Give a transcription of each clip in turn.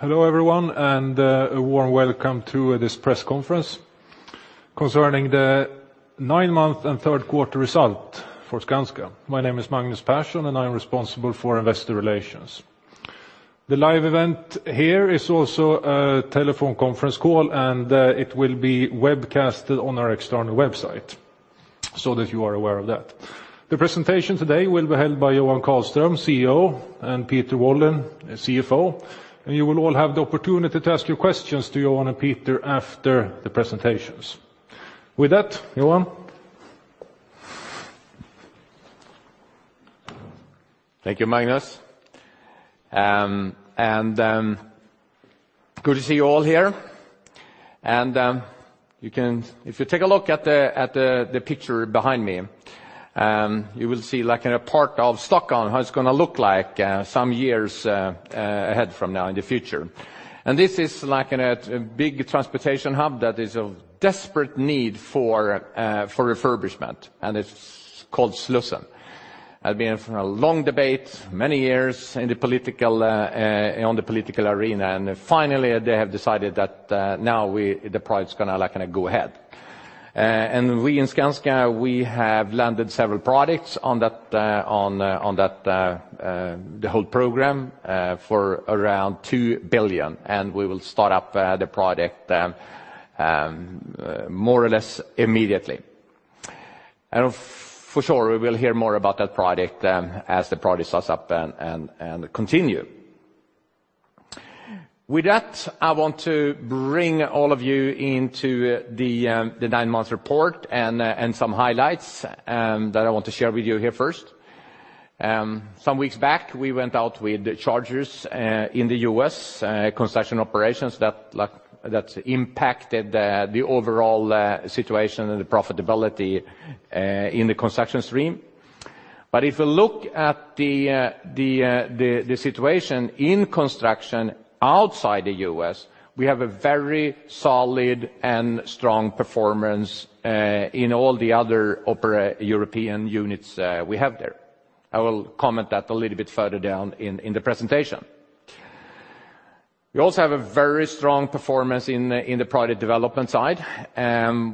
Hello, everyone, and a warm welcome to this press conference concerning the nine-month and third quarter result for Skanska. My name is Magnus Persson, and I'm responsible for investor relations. The live event here is also a telephone conference call, and it will be webcasted on our external website, so that you are aware of that. The presentation today will be held by Johan Karlström, CEO, and Peter Wallin, CFO, and you will all have the opportunity to ask your questions to Johan and Peter after the presentations. With that, Johan? Thank you, Magnus. Good to see you all here. If you take a look at the picture behind me, you will see like in a part of Stockholm, how it's gonna look like some years ahead from now in the future. And this is like in a big transportation hub that is of desperate need for refurbishment, and it's called Slussen. There've been a long debate, many years, in the political arena, and finally, they have decided that now we, the project's gonna, like, kind of go ahead. And we in Skanska, we have landed several projects on that, on that, the whole program for around 2 billion, and we will start up the project more or less immediately. For sure, we will hear more about that project as the project starts up and continue. With that, I want to bring all of you into the nine-month report and some highlights that I want to share with you here first. Some weeks back, we went out with charges in the U.S. construction operations that, like, that impacted the overall situation and the profitability in the construction stream. But if you look at the situation in construction outside the U.S., we have a very solid and strong performance in all the other operating European units we have there. I will comment that a little bit further down in the presentation. We also have a very strong performance in the project development side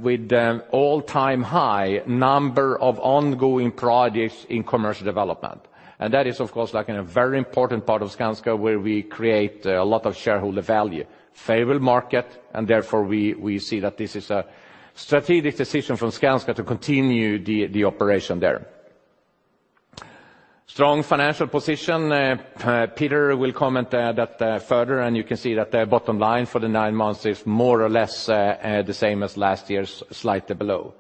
with all-time high number of ongoing projects in Commercial Development. And that is, of course, like in a very important part of Skanska, where we create a lot of shareholder value. Favorable market, and therefore, we see that this is a strategic decision from Skanska to continue the operation there. Strong financial position, Peter will comment that further, and you can see that the bottom line for the nine months is more or less the same as last year's, slightly below.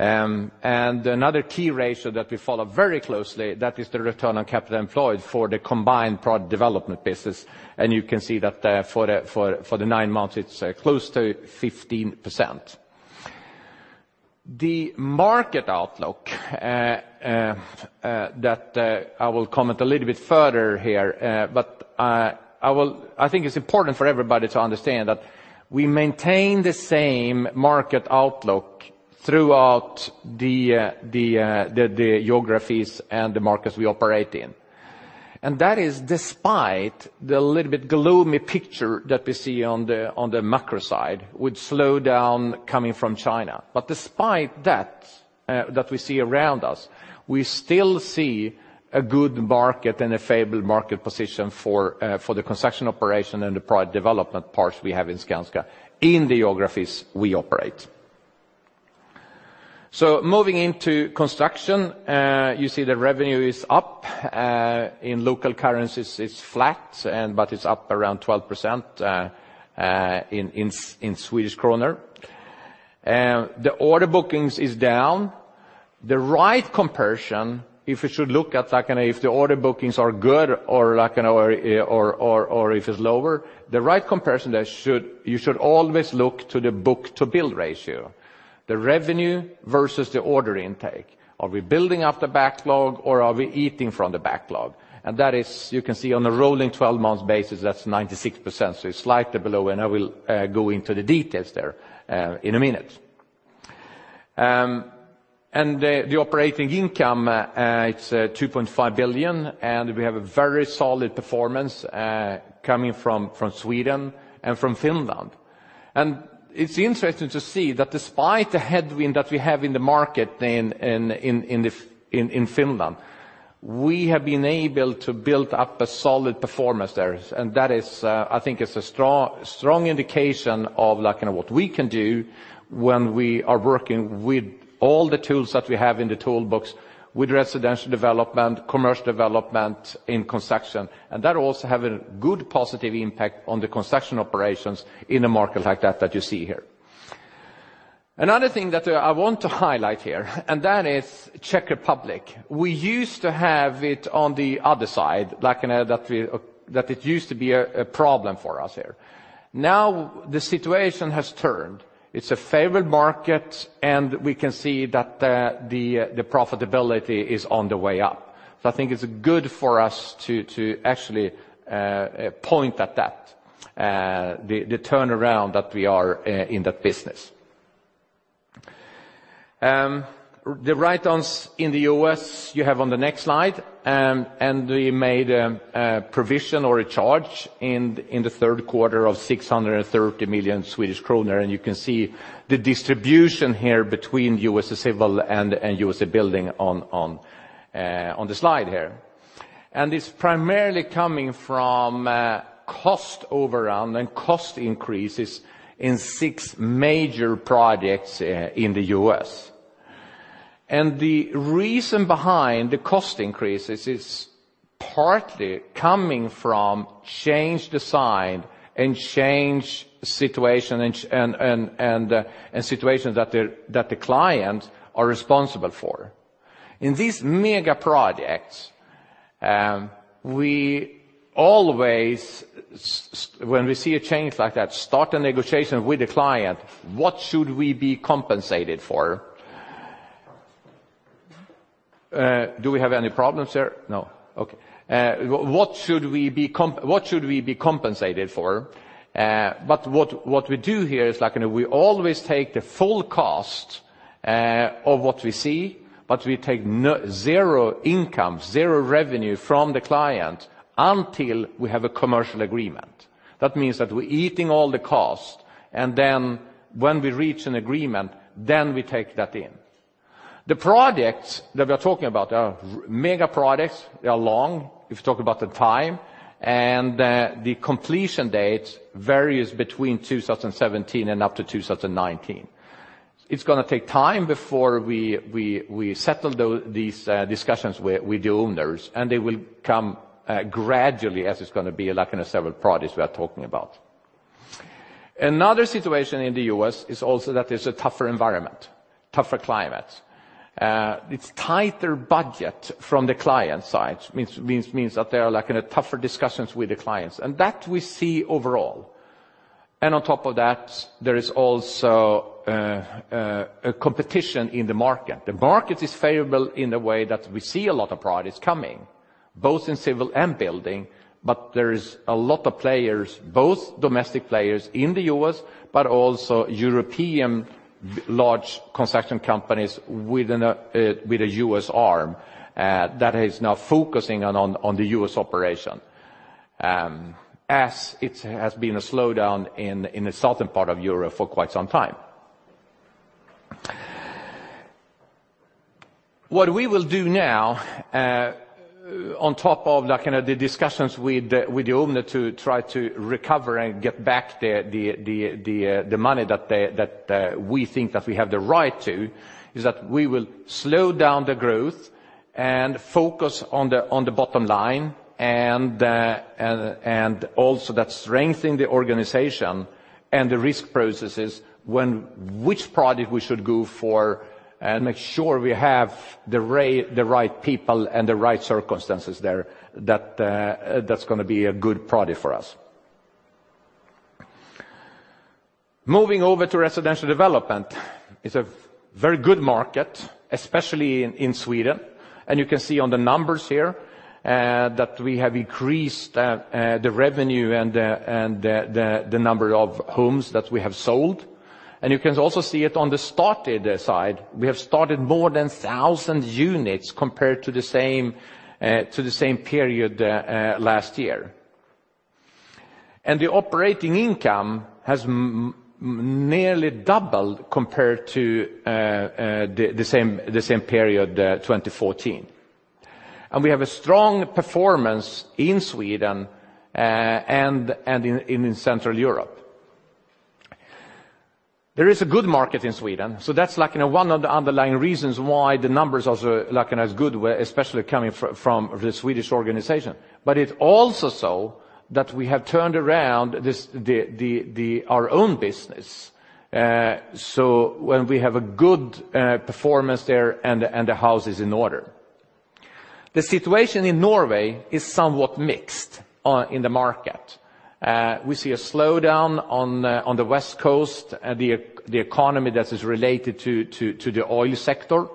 Another key ratio that we follow very closely, that is the return on capital employed for the combined project development business, and you can see that for the nine months, it's close to 15%. The market outlook, I will comment a little bit further here, but I think it's important for everybody to understand that we maintain the same market outlook throughout the geographies and the markets we operate in. That is despite the little bit gloomy picture that we see on the macro side, with slowdown coming from China. But despite that we see around us, we still see a good market and a favorable market position for the construction operation and the Project Development parts we have in Skanska, in the geographies we operate. So moving into construction, you see the revenue is up. In local currencies, it's flat, but it's up around 12%, in Swedish krona. The order bookings is down. The right comparison, if we should look at, like, if the order bookings are good or like, you know, if it's lower, the right comparison there should, you should always look to the book-to-bill ratio, the revenue versus the order intake. Are we building up the backlog, or are we eating from the backlog? And that is, you can see on a rolling 12-month basis, that's 96%, so it's slightly below, and I will go into the details there in a minute. And the operating income, it's 2.5 billion, and we have a very solid performance coming from Sweden and from Finland. And it's interesting to see that despite the headwind that we have in the market in Finland, we have been able to build up a solid performance there. And that is, I think it's a strong, strong indication of like, you know, what we can do when we are working with all the tools that we have in the toolbox, with residential development, commercial development, in construction. And that also have a good positive impact on the construction operations in a market like that, that you see here. Another thing that, I want to highlight here, and that is Czech Republic. We used to have it on the other side, like, you know, that we, that it used to be a problem for us here. Now, the situation has turned. It's a favored market, and we can see that, the profitability is on the way up. So I think it's good for us to actually point at that, the turnaround that we are in that business. The write-downs in the U.S., you have on the next slide. We made a provision or a charge in the third quarter of 630 million Swedish kronor, and you can see the distribution here between U.S. Civil and U.S. Building on the slide here. It's primarily coming from cost overrun and cost increases in 6 major projects in the U.S. the reason behind the cost increases is partly coming from change design and change situation and situations that the clients are responsible for. In these mega projects, we always, when we see a change like that, start a negotiation with the client, what should we be compensated for? Do we have any problems here? No. Okay. What should we be compensated for? But what we do here is, like, you know, we always take the full cost of what we see, but we take zero income, zero revenue from the client until we have a commercial agreement. That means that we're eating all the cost, and then when we reach an agreement, then we take that in. The projects that we are talking about are mega projects. They are long, if you talk about the time, and the completion date varies between 2017 and up to 2019. It's gonna take time before we settle these discussions with the owners, and they will come gradually as it's gonna be, like, in several projects we are talking about. Another situation in the U.S. is also that there's a tougher environment, tougher climate. It's tighter budget from the client side, means that there are, like, in a tougher discussions with the clients, and that we see overall. On top of that, there is also a competition in the market. The market is favorable in the way that we see a lot of projects coming, both in civil and building, but there is a lot of players, both domestic players in the U.S., but also European large construction companies with a U.S. arm that is now focusing on the U.S. operation, as it has been a slowdown in the southern part of Europe for quite some time. What we will do now, on top of, like, you know, the discussions with the owner to try to recover and get back the money that we think that we have the right to, is that we will slow down the growth and focus on the bottom line, and also that strengthening the organization and the risk processes when which projects we should go for, and make sure we have the right people and the right circumstances there, that's gonna be a good project for us. Moving over to residential development, it's a very good market, especially in Sweden. You can see on the numbers here, that we have increased the revenue and the number of homes that we have sold. You can also see it on the started side. We have started more than 1,000 units compared to the same period last year. The operating income has nearly doubled compared to the same period 2014. We have a strong performance in Sweden and in Central Europe. There is a good market in Sweden, so that's like, you know, one of the underlying reasons why the numbers are, like, you know, as good, where especially coming from the Swedish organization. But it's also so that we have turned around our own business, so when we have a good performance there and the house is in order. The situation in Norway is somewhat mixed in the market. We see a slowdown on the West Coast, the economy that is related to the oil sector,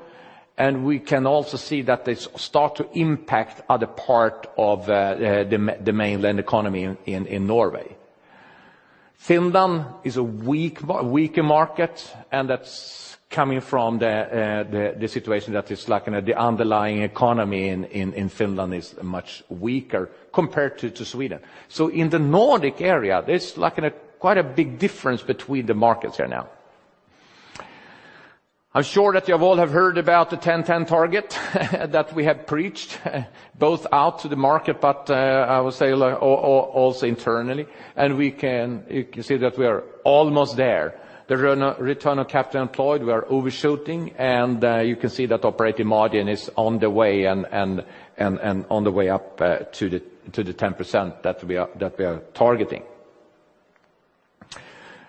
and we can also see that they start to impact other part of the mainland economy in Norway. Finland is a weaker market, and that's coming from the situation that is like, you know, the underlying economy in Finland is much weaker compared to Sweden. So in the Nordic area, there's like a quite big difference between the markets here now. I'm sure that you all have heard about the 10-10 target, that we have preached, both out to the market, but I would say, like, also internally, and we can, you can see that we are almost there. The return on capital employed, we are overshooting, and you can see that operating margin is on the way and on the way up to the 10% that we are targeting.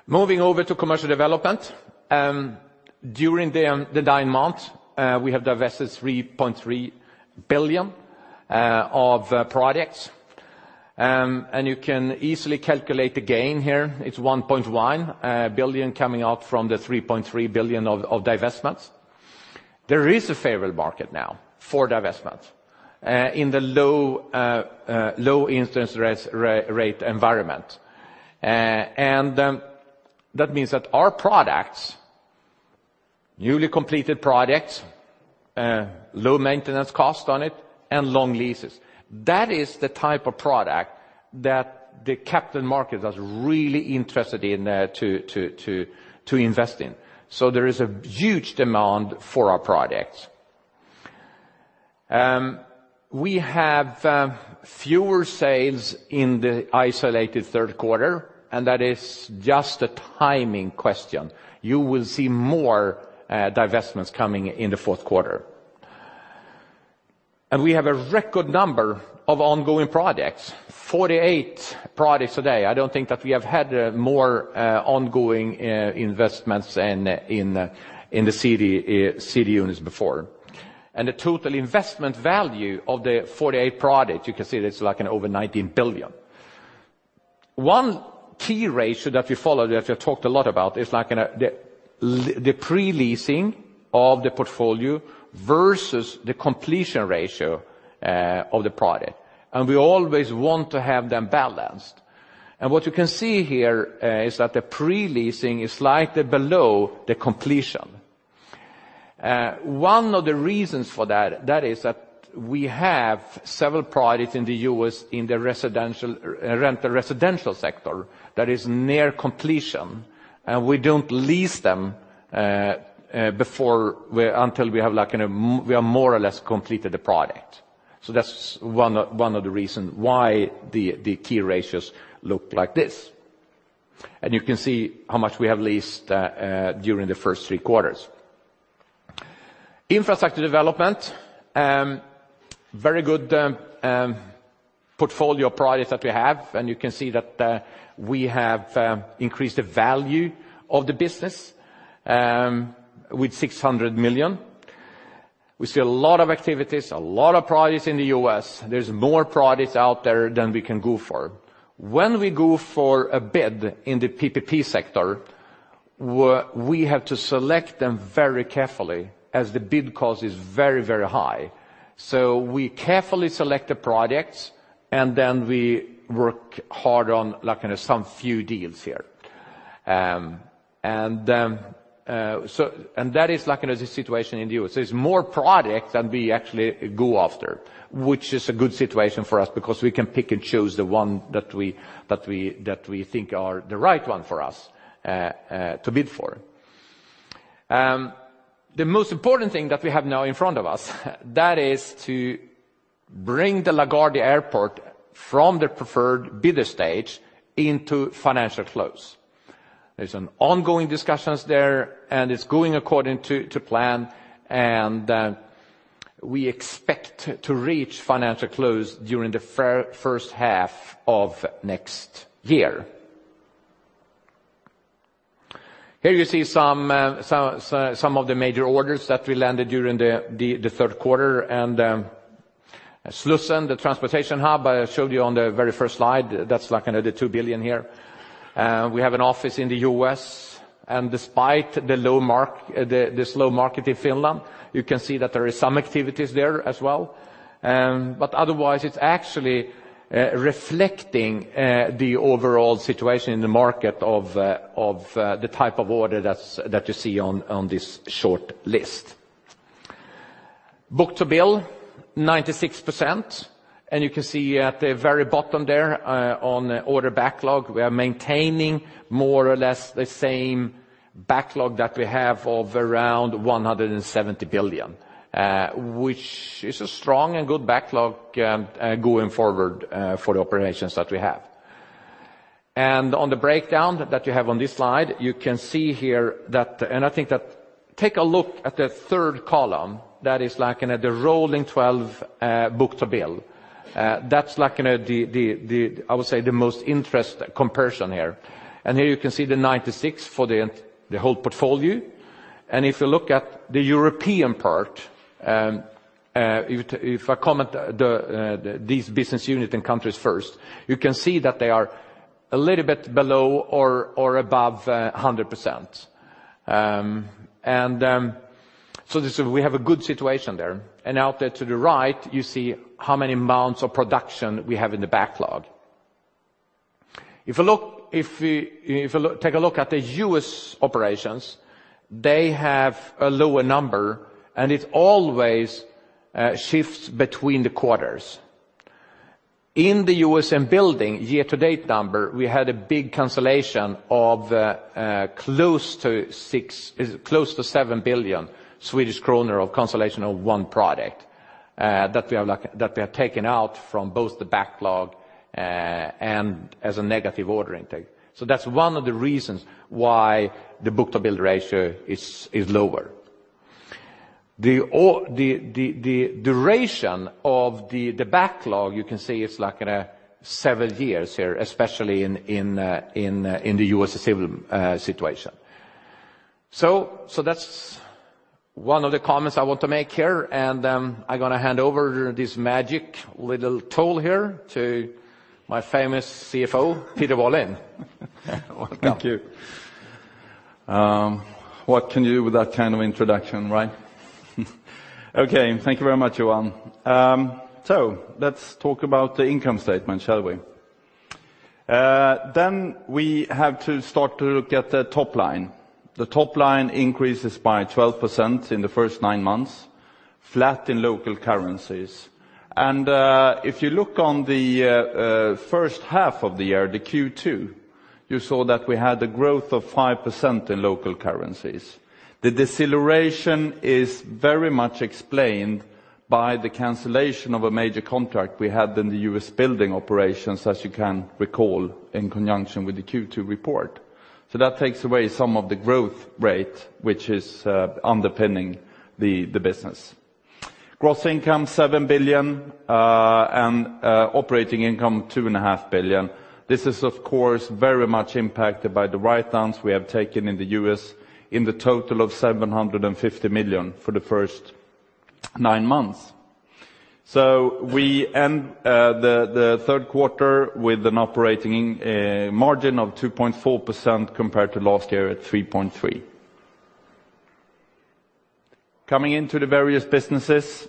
Moving over to commercial development, during the nine months, we have divested 3.3 billion of projects. And you can easily calculate the gain here. It's 1.1 billion coming out from the 3.3 billion of divestments. There is a favorable market now for divestments in the low interest rate environment. And that means that our products, newly completed projects, low maintenance cost on it, and long leases, that is the type of product that the capital market is really interested in, to invest in. So there is a huge demand for our projects. We have fewer sales in the isolated third quarter, and that is just a timing question. You will see more divestments coming in the fourth quarter. We have a record number of ongoing projects, 48 projects today. I don't think that we have had more ongoing investments in the city units before. The total investment value of the 48 projects, you can see it's like in over 19 billion. One key ratio that we followed, that I talked a lot about, is like the pre-leasing of the portfolio versus the completion ratio of the project, and we always want to have them balanced. What you can see here is that the pre-leasing is slightly below the completion. One of the reasons for that is that we have several projects in the U.S. in the residential rental residential sector that is near completion, and we don't lease them before, until we have, like, we have more or less completed the project. So that's one of the reasons why the key ratios look like this. You can see how much we have leased during the first three quarters. Infrastructure development, very good portfolio of projects that we have, and you can see that we have increased the value of the business with 600 million. We see a lot of activities, a lot of projects in the U.S. There's more projects out there than we can go for. When we go for a bid in the PPP sector, we have to select them very carefully, as the bid cost is very, very high. So we carefully select the projects, and then we work hard on, like, in some few deals here. So, and that is like in the situation in the U.S. There's more projects than we actually go after, which is a good situation for us because we can pick and choose the one that we think are the right one for us to bid for. The most important thing that we have now in front of us, that is to bring the LaGuardia Airport from the preferred bidder stage into financial close. There's some ongoing discussions there, and it's going according to plan, and we expect to reach financial close during the first half of next year. Here you see some of the major orders that we landed during the third quarter, and Slussen, the transportation hub I showed you on the very first slide, that's like in the 2 billion here. We have an office in the U.S., and despite the slow market in Finland, you can see that there is some activities there as well. But otherwise, it's actually reflecting the overall situation in the market of the type of order that's that you see on this short list. Book-to-bill 96%, and you can see at the very bottom there, on order backlog, we are maintaining more or less the same backlog that we have of around 170 billion, which is a strong and good backlog, going forward, for the operations that we have. And on the breakdown that you have on this slide, you can see here that. And I think that, take a look at the third column, that is like in the rolling twelve, book-to-bill. That's like in the, I would say, the most interesting comparison here. And here you can see the 96 for the whole portfolio. And if you look at the European part, if I comment, these business units and countries first, you can see that they are a little bit below or above, 100%. So we have a good situation there. And out there to the right, you see how many amounts of production we have in the backlog. Take a look at the US operations, they have a lower number, and it always shifts between the quarters. In the U.S. Building, year-to-date number, we had a big cancellation of close to 6 billion-close to 7 billion Swedish kronor of cancellation of one project that we have, like, that we have taken out from both the backlog and as a negative order intake. So that's one of the reasons why the book-to-bill ratio is lower. The duration of the backlog, you can see it's like seven years here, especially in the U.S. Civil situation. So that's one of the comments I want to make here, and I'm gonna hand over this magic little tool here to my famous CFO, Peter Wallin. Well, thank you. What can you do with that kind of introduction, right? Okay, thank you very much, Johan. So let's talk about the income statement, shall we? Then we have to start to look at the top line. The top line increases by 12% in the first nine months, flat in local currencies. And if you look on the first half of the year, the Q2, you saw that we had a growth of 5% in local currencies. The deceleration is very much explained by the cancellation of a major contract we had in the U.S. building operations, as you can recall, in conjunction with the Q2 report. So that takes away some of the growth rate, which is underpinning the business. Gross income, 7 billion, and operating income, 2.5 billion. This is, of course, very much impacted by the writedowns we have taken in the U.S., in the total of 750 million for the first nine months. So we end the third quarter with an operating margin of 2.4% compared to last year at 3.3%. Coming into the various businesses,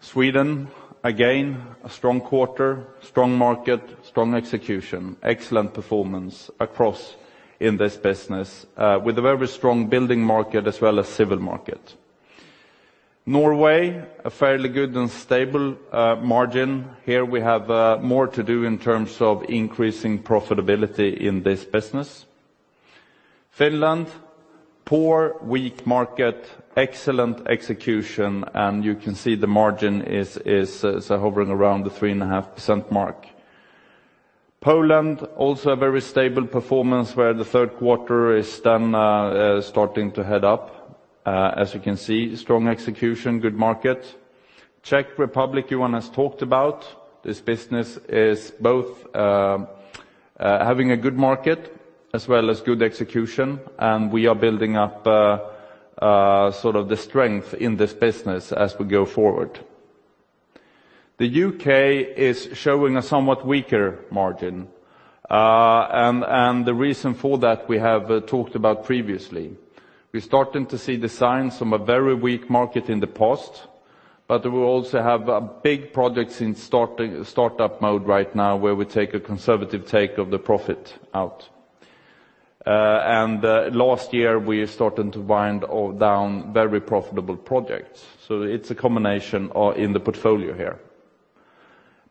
Sweden, again, a strong quarter, strong market, strong execution, excellent performance across in this business, with a very strong building market as well as civil market. Norway, a fairly good and stable margin. Here we have more to do in terms of increasing profitability in this business. Finland, poor, weak market, excellent execution, and you can see the margin is hovering around the 3.5% mark. Poland, also a very stable performance, where the third quarter is then starting to head up. As you can see, strong execution, good market. Czech Republic, Johan has talked about. This business is both having a good market as well as good execution, and we are building up sort of the strength in this business as we go forward. The U.K. is showing a somewhat weaker margin, and the reason for that, we have talked about previously. We're starting to see the signs from a very weak market in the past, but we also have big projects in startup mode right now, where we take a conservative take of the profit out. And last year, we are starting to wind down very profitable projects. So it's a combination in the portfolio here.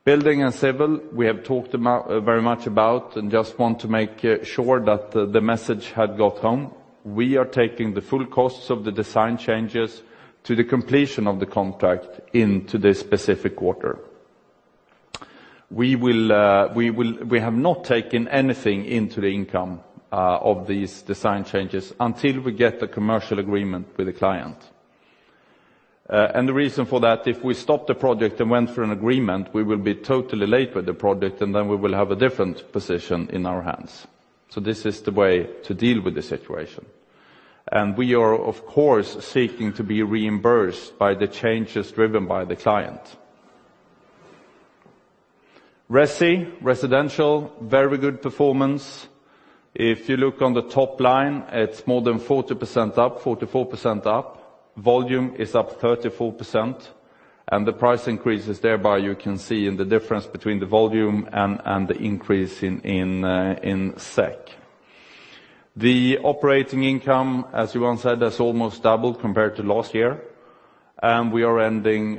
Building and Civil, we have talked about very much about, and just want to make sure that the message had got home. We are taking the full costs of the design changes to the completion of the contract into this specific quarter. We will we have not taken anything into the income of these design changes until we get the commercial agreement with the client. And the reason for that, if we stopped the project and went for an agreement, we will be totally late with the project, and then we will have a different position in our hands. So this is the way to deal with the situation. And we are, of course, seeking to be reimbursed by the changes driven by the client. Resi, residential, very good performance. If you look on the top line, it's more than 40% up, 44% up. Volume is up 34%, and the price increases, thereby, you can see in the difference between the volume and the increase in SEK. The operating income, as Johan said, has almost doubled compared to last year, and we are ending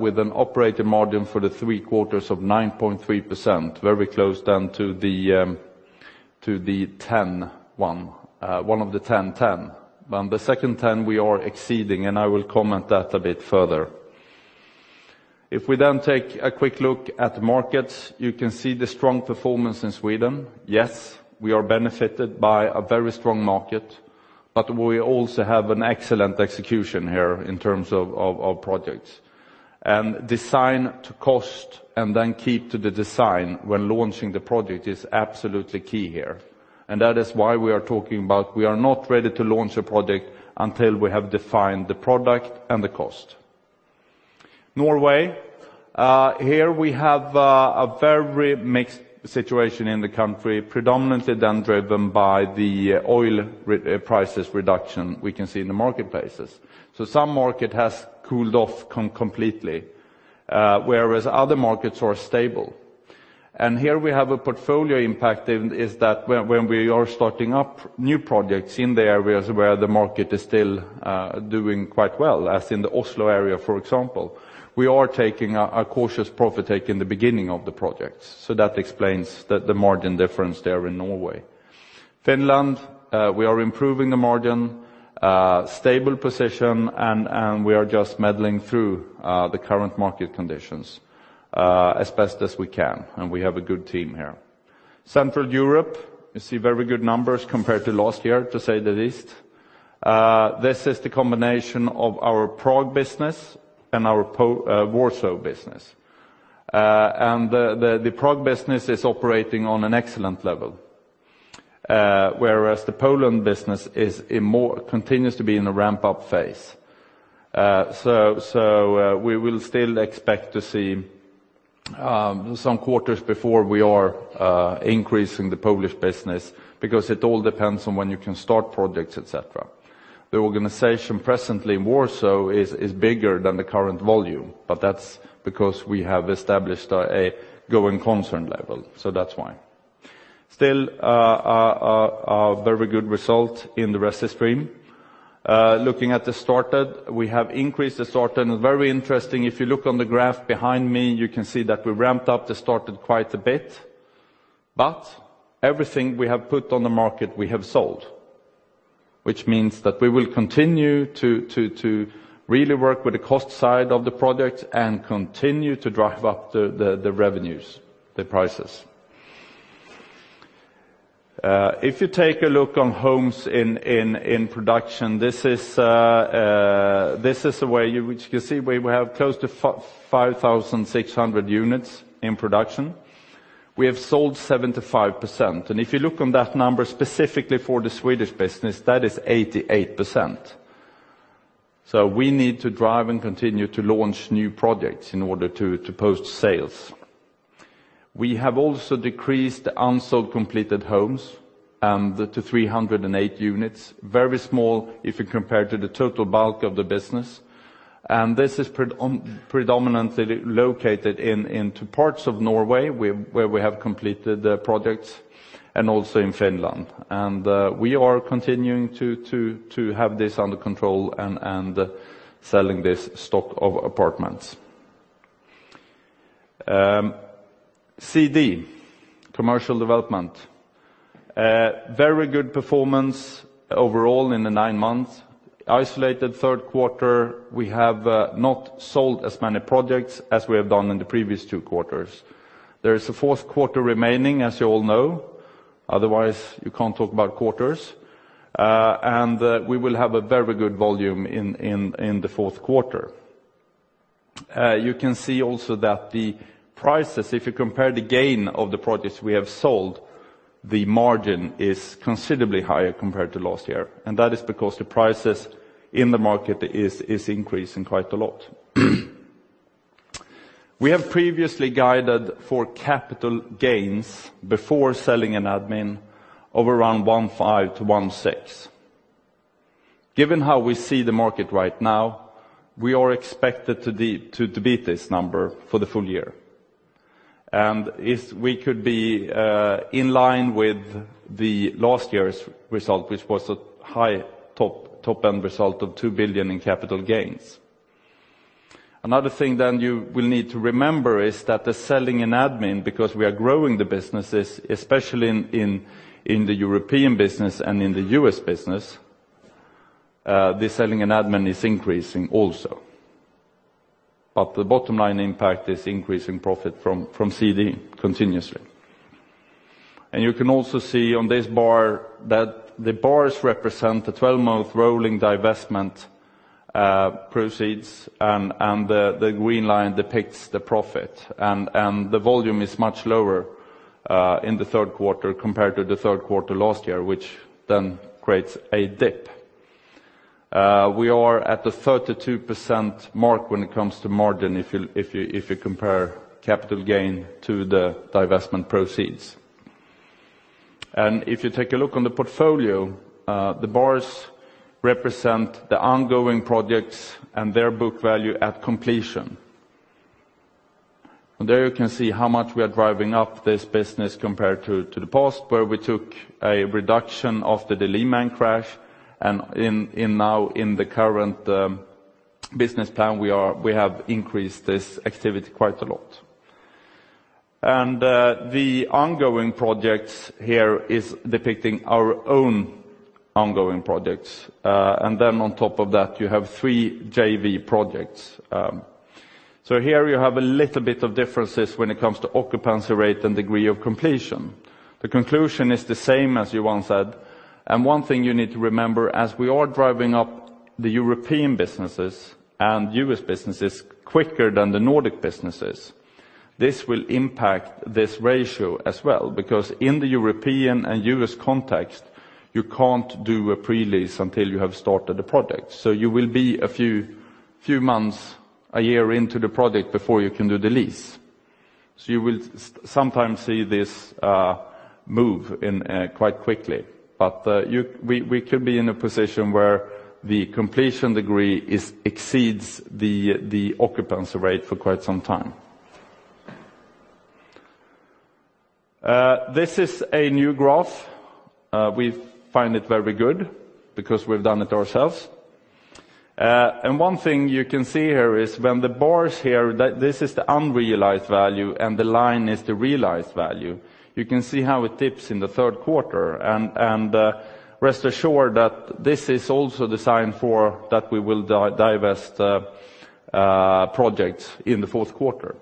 with an operating margin for the three quarters of 9.3%, very close then to the 10, one of the 10-10. But on the second 10, we are exceeding, and I will comment that a bit further. If we then take a quick look at the markets, you can see the strong performance in Sweden. Yes, we are benefited by a very strong market, but we also have an excellent execution here in terms of projects. Design to cost, and then keep to the design when launching the project is absolutely key here. That is why we are talking about we are not ready to launch a project until we have defined the product and the cost. Norway, here we have a very mixed situation in the country, predominantly then driven by the oil prices reduction we can see in the marketplaces. So some market has cooled off completely, whereas other markets are stable. And here we have a portfolio impact, is that when, when we are starting up new projects in the areas where the market is still doing quite well, as in the Oslo area, for example, we are taking a cautious profit take in the beginning of the projects. So that explains the margin difference there in Norway. Finland, we are improving the margin, stable position, and we are just muddling through the current market conditions, as best as we can, and we have a good team here. Central Europe, you see very good numbers compared to last year, to say the least. This is the combination of our Prague business and our Warsaw business. And the Prague business is operating on an excellent level, whereas the Poland business continues to be in a ramp-up phase. So, we will still expect to see some quarters before we are increasing the Polish business, because it all depends on when you can start projects, et cetera. The organization presently in Warsaw is bigger than the current volume, but that's because we have established a going concern level, so that's why. Still, a very good result in the Resi stream. Looking at the started, we have increased the started, and very interesting, if you look on the graph behind me, you can see that we ramped up the started quite a bit. But everything we have put on the market, we have sold, which means that we will continue to really work with the cost side of the project and continue to drive up the revenues, the prices. If you take a look on homes in production, this is which you can see we have close to 5,600 units in production. We have sold 75%, and if you look on that number specifically for the Swedish business, that is 88%. We need to drive and continue to launch new projects in order to post sales. We have also decreased the unsold completed homes to 308 units. Very small if you compare to the total bulk of the business, and this is predominantly located in two parts of Norway, where we have completed the projects, and also in Finland. We are continuing to have this under control and selling this stock of apartments. CD, Commercial Development. Very good performance overall in the nine months. Isolated third quarter, we have not sold as many projects as we have done in the previous two quarters. There is a fourth quarter remaining, as you all know. Otherwise, you can't talk about quarters. We will have a very good volume in the fourth quarter. You can see also that the prices, if you compare the gain of the projects we have sold, the margin is considerably higher compared to last year, and that is because the prices in the market are increasing quite a lot. We have previously guided for capital gains before selling and admin of around 1.5 billion-1.6 billion. Given how we see the market right now, we are expected to beat this number for the full year. If we could be in line with last year's result, which was a high top-end result of 2 billion in capital gains. Another thing then you will need to remember is that the selling and admin, because we are growing the businesses, especially in the European business and in the U.S. business, the selling and admin is increasing also. But the bottom line impact is increasing profit from CD continuously. And you can also see on this bar that the bars represent the 12-month rolling divestment proceeds, and the green line depicts the profit, and the volume is much lower in the third quarter compared to the third quarter last year, which then creates a dip. We are at the 32% mark when it comes to margin, if you compare capital gain to the divestment proceeds. And if you take a look on the portfolio, the bars represent the ongoing projects and their book value at completion. There you can see how much we are driving up this business compared to the past, where we took a reduction after the Lehman crash, and in the current business plan, we have increased this activity quite a lot. And the ongoing projects here is depicting our own ongoing projects. And then on top of that, you have three JV projects. So here you have a little bit of differences when it comes to occupancy rate and degree of completion. The conclusion is the same as Johan said, and one thing you need to remember, as we are driving up the European businesses and U.S. businesses quicker than the Nordic businesses, this will impact this ratio as well, because in the European and U.S. context, you can't do a pre-leasing until you have started the project. So you will be a few months, a year into the project before you can do the lease. So you will sometimes see this move in quite quickly. But we could be in a position where the completion degree exceeds the occupancy rate for quite some time. This is a new graph. We find it very good because we've done it ourselves. And one thing you can see here is when the bars here, this is the unrealized value and the line is the realized value. You can see how it dips in the third quarter, rest assured that this is also designed for that we will divest projects in the fourth quarter.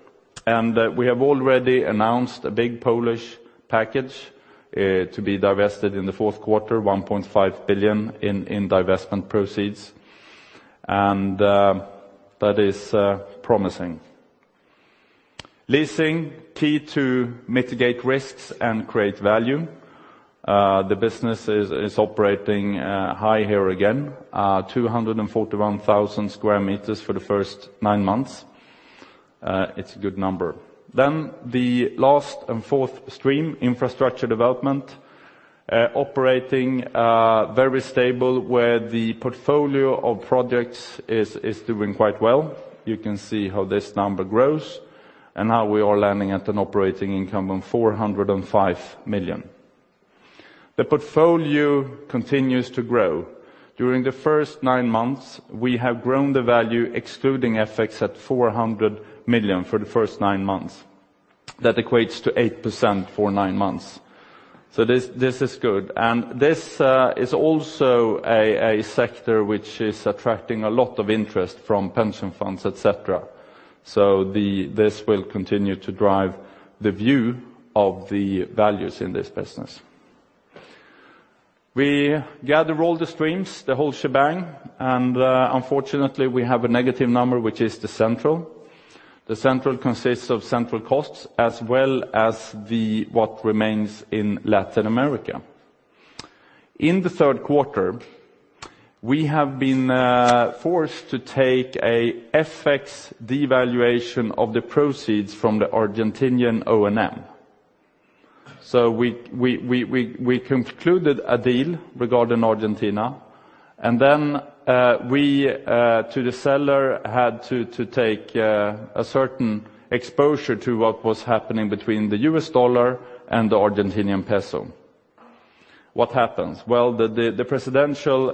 We have already announced a big Polish package to be divested in the fourth quarter, 1.5 billion in divestment proceeds, and that is promising. Leasing, key to mitigate risks and create value. The business is operating high here again, 241,000 square meters for the first nine months. It's a good number. Then the last and fourth stream, infrastructure development, operating very stable where the portfolio of projects is doing quite well. You can see how this number grows, and now we are landing at an operating income of 405 million. The portfolio continues to grow. During the first nine months, we have grown the value, excluding FX, at 400 million for the first nine months. That equates to 8% for nine months. So this, this is good. And this is also a sector which is attracting a lot of interest from pension funds, et cetera. So this will continue to drive the view of the values in this business. We gather all the streams, the whole shebang, and, unfortunately, we have a negative number, which is the central. The central consists of central costs, as well as the, what remains in Latin America. In the third quarter, we have been forced to take a FX devaluation of the proceeds from the Argentinian O&M. So we concluded a deal regarding Argentina, and then we to the seller had to take a certain exposure to what was happening between the U.S. dollar and the Argentinian peso. What happens? Well, the presidential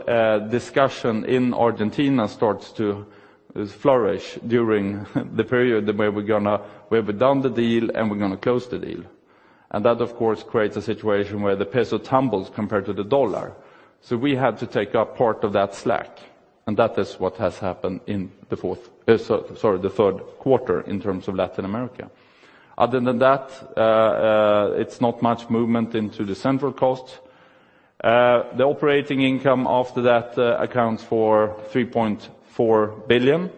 discussion in Argentina starts to flourish during the period where we're gonna where we've done the deal, and we're gonna close the deal. And that, of course, creates a situation where the peso tumbles compared to the dollar. So we had to take up part of that slack, and that is what has happened in the fourth, the third quarter in terms of Latin America. Other than that, it's not much movement into the central cost. The operating income after that accounts for 3.4 billion.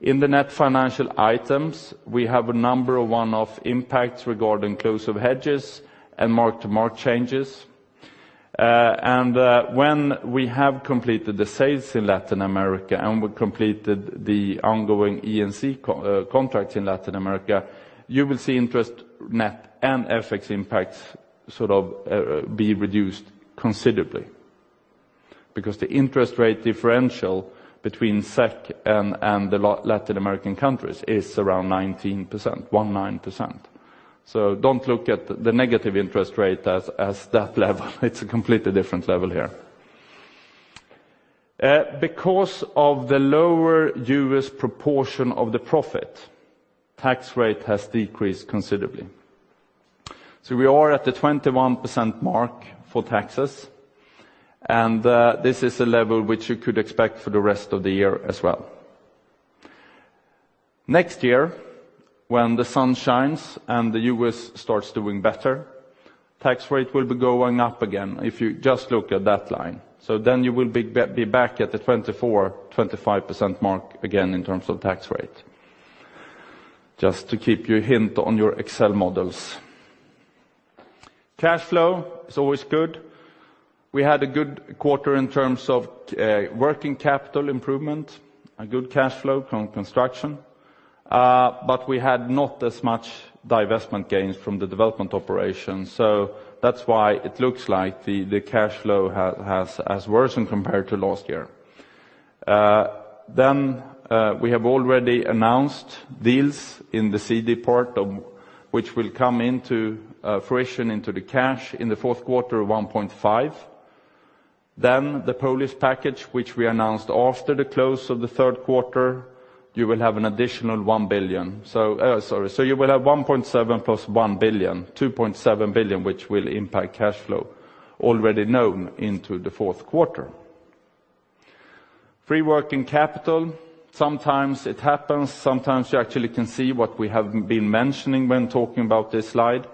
In the net financial items, we have a number of one-off impacts regarding close of hedges and mark-to-market changes. When we have completed the sales in Latin America, and we completed the ongoing E&C contracts in Latin America, you will see interest net and FX impacts sort of be reduced considerably. Because the interest rate differential between SEK and the Latin American countries is around 19%, 19%. So don't look at the negative interest rate as that level, it's a completely different level here. Because of the lower U.S. proportion of the profit, tax rate has decreased considerably. So we are at the 21% mark for taxes, and, this is a level which you could expect for the rest of the year as well. Next year, when the sun shines and the U.S. starts doing better, tax rate will be going up again, if you just look at that line. So then you will be back, be back at the 24%-25% mark again in terms of tax rate. Just to keep you hint on your Excel models. Cash flow is always good. We had a good quarter in terms of, working capital improvement, a good cash flow from construction, but we had not as much divestment gains from the development operation, so that's why it looks like the, the cash flow has, has worsened compared to last year. Then we have already announced deals in the CD part of—which will come into fruition into the cash in the fourth quarter, 1.5 billion. Then the Polish package, which we announced after the close of the third quarter, you will have an additional 1 billion. So sorry, so you will have 1.7 billion plus 1 billion, 2.7 billion, which will impact cash flow already known into the fourth quarter. Free working capital, sometimes it happens, sometimes you actually can see what we have been mentioning when talking about this slide.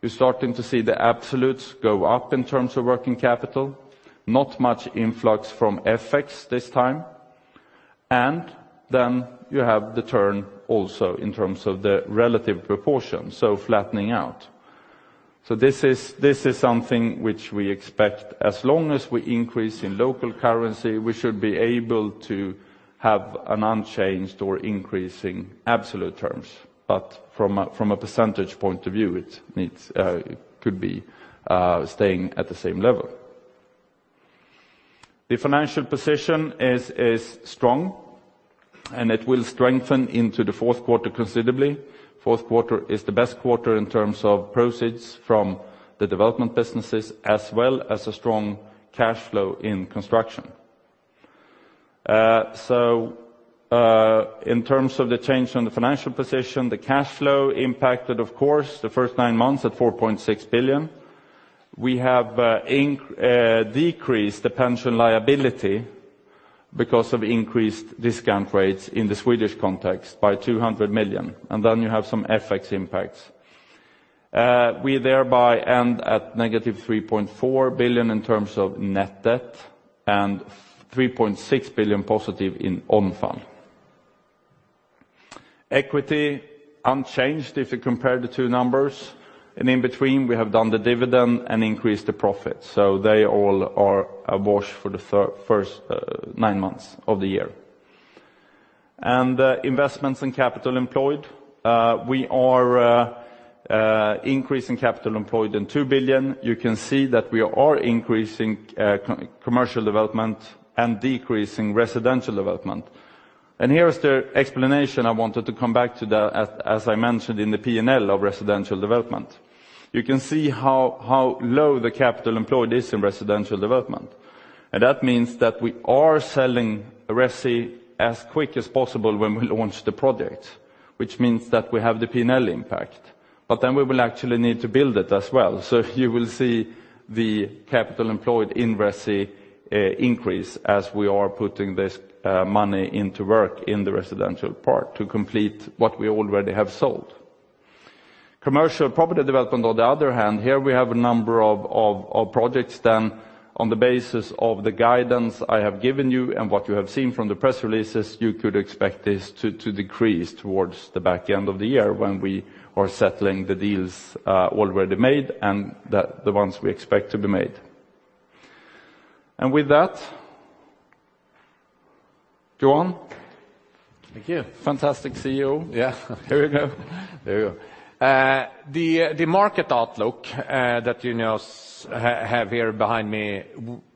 You're starting to see the absolutes go up in terms of working capital, not much influx from FX this time. And then you have the turn also in terms of the relative proportion, so flattening out. So this is, this is something which we expect. As long as we increase in local currency, we should be able to have an unchanged or increasing absolute terms. But from a, from a percentage point of view, it needs could be staying at the same level. The financial position is strong, and it will strengthen into the fourth quarter considerably. Fourth quarter is the best quarter in terms of proceeds from the development businesses, as well as a strong cash flow in construction. So, in terms of the change in the financial position, the cash flow impacted, of course, the first nine months at 4.6 billion. We have decreased the pension liability because of increased discount rates in the Swedish context by 200 million, and then you have some FX impacts. We thereby end at -3.4 billion in terms of net debt, and 3.6 billion positive in own fund. Equity unchanged if you compare the two numbers, and in between, we have done the dividend and increased the profit. So they all are awash for the first 9 months of the year. And, investments in capital employed, we are increasing capital employed in 2 billion. You can see that we are increasing commercial development and decreasing residential development. And here is the explanation I wanted to come back to the, as I mentioned in the P&L of residential development. You can see how low the capital employed is in residential development, and that means that we are selling resi as quick as possible when we launch the project, which means that we have the P&L impact. But then we will actually need to build it as well. So you will see the capital employed in resi increase as we are putting this money into work in the residential part to complete what we already have sold. Commercial property development, on the other hand, here we have a number of projects done on the basis of the guidance I have given you and what you have seen from the press releases. You could expect this to decrease towards the back end of the year when we are settling the deals already made, and the ones we expect to be made. With that, Johan? Thank you. Fantastic CEO. Yeah, here we go. There you go. The market outlook that you now have here behind me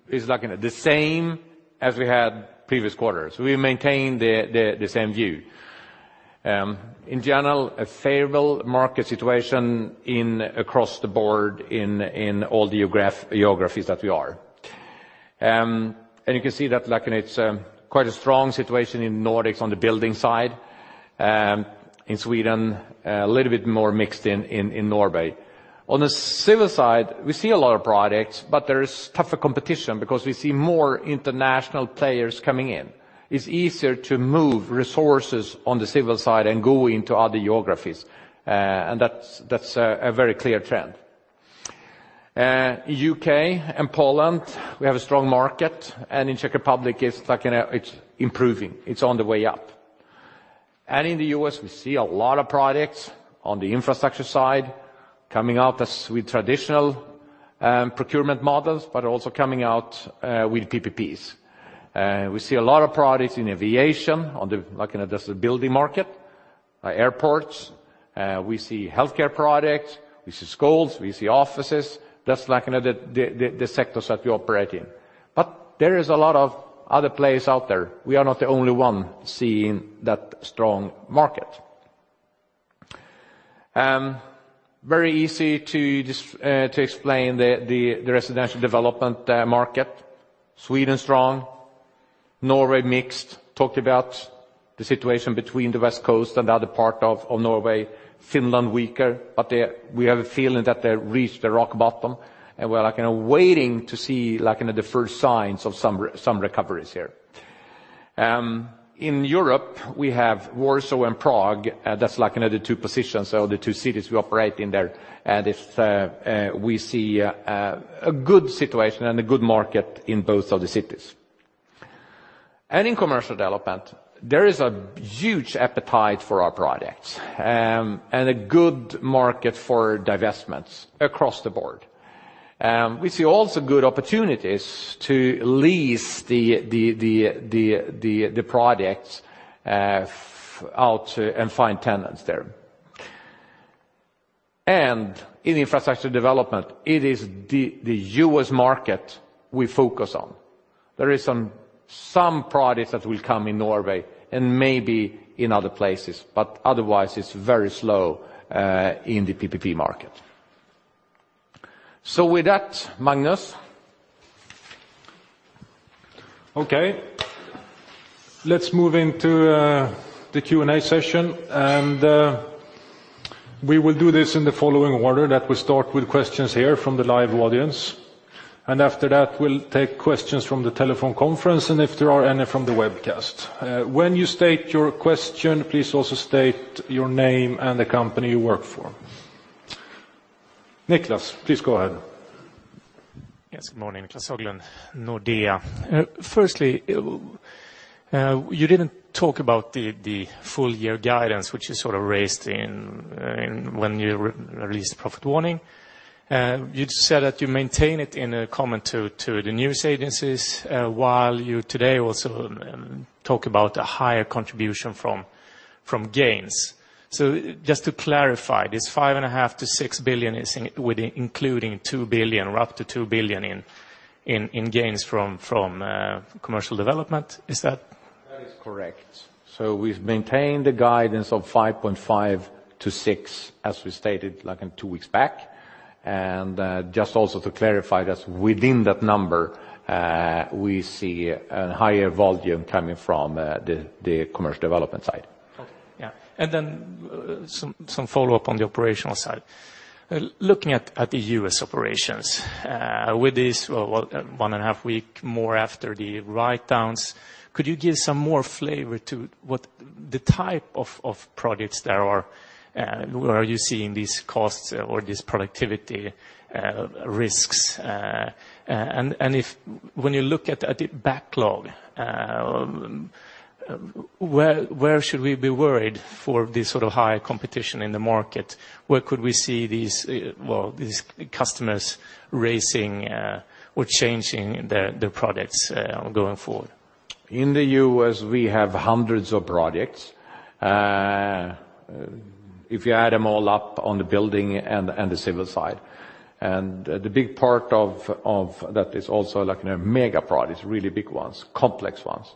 is like the same as we had previous quarters. We maintain the same view. In general, a favorable market situation across the board, in all the geographies that we are. And you can see that, like, in it, it's quite a strong situation in Nordics on the building side, in Sweden, a little bit more mixed in Norway. On the civil side, we see a lot of projects, but there is tougher competition because we see more international players coming in. It's easier to move resources on the civil side and go into other geographies, and that's a very clear trend. U.K. and Poland, we have a strong market, and in Czech Republic, it's like, you know, it's improving. It's on the way up. And in the U.S., we see a lot of projects on the infrastructure side coming out as with traditional procurement models, but also coming out with PPPs. We see a lot of projects in aviation, like in the sectors that we operate in. But there is a lot of other players out there. We are not the only one seeing that strong market. Very easy to just to explain the residential development market. Sweden, strong. Norway, mixed. Talked about the situation between the West Coast and the other part of Norway. Finland, weaker, but they... We have a feeling that they reached the rock bottom, and we're, like, kind of waiting to see, like, you know, the first signs of some recoveries here. In Europe, we have Warsaw and Prague, that's like in the two positions, so the two cities we operate in there. And if we see a good situation and a good market in both of the cities. And in commercial development, there is a huge appetite for our products, and a good market for divestments across the board. We see also good opportunities to lease the products out to and find tenants there. And in infrastructure development, it is the US market we focus on. There are some projects that will come in Norway and maybe in other places, but otherwise, it's very slow in the PPP market. So with that, Magnus? Okay. Let's move into the Q&A session, and we will do this in the following order, that we start with questions here from the live audience, and after that, we'll take questions from the telephone conference, and if there are any from the webcast. When you state your question, please also state your name and the company you work for. Niclas, please go ahead. Yes, good morning, Niclas Höglund, Nordea. Firstly, you didn't talk about the full year guidance, which you sort of raised in when you re-released the profit warning. You just said that you maintain it in a comment to the news agencies, while you today also talk about a higher contribution from gains. So just to clarify, this 5.5 billion-6 billion is with including 2 billion, or up to 2 billion in gains from commercial development. Is that- That is correct. So we've maintained the guidance of 5.5-6, as we stated, like, in two weeks back. And, just also to clarify, that's within that number, we see a higher volume coming from the commercial development side. Okay, yeah. And then, some follow-up on the operational side. Looking at the U.S. operations, with this, well, 1.5 week more after the writedowns, could you give some more flavor to what the type of products there are, where are you seeing these costs or this productivity risks? And if when you look at the backlog, where should we be worried for this sort of high competition in the market? Where could we see these, well, these customers raising or changing the products going forward? ...In the U.S., we have hundreds of projects, if you add them all up on the Building and the Civil side. The big part of that is also like in a mega project, really big ones, complex ones.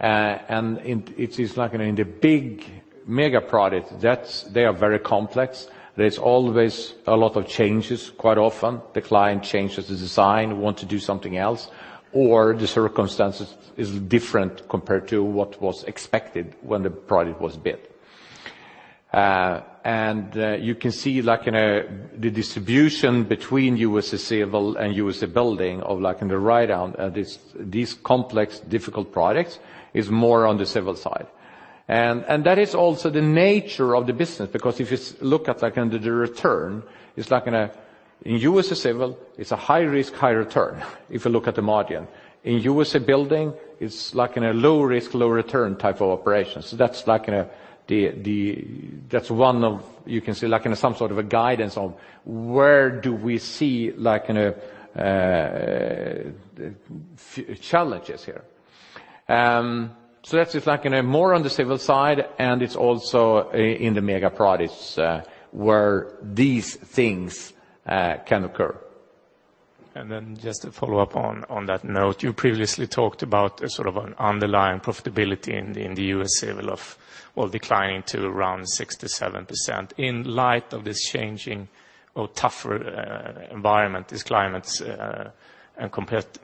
It is like in the big mega projects, that's. They are very complex. There's always a lot of changes quite often. The client changes the design, want to do something else, or the circumstances is different compared to what was expected when the project was bid. You can see, like in the distribution between U.S. Civil and U.S. Building of like in the write-down, these complex, difficult projects is more on the Civil side. That is also the nature of the business, because if you look at like in the return, it's like in U.S. Civil, it's a high risk, high return if you look at the margin. In U.S. Building, it's like a low risk, low return type of operation. So that's like the. That's one of, you can say, like some sort of a guidance on where we see, like challenges here. So that's it, like more on the Civil side, and it's also in the mega projects where these things can occur. And then just to follow up on that note, you previously talked about a sort of an underlying profitability in the U.S. Civil of, well, declining to around 67%. In light of this changing or tougher environment, these climates, and